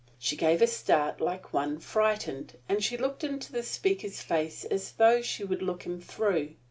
She gave a start like one frightened, and she looked into the speaker's face as though she would look him through.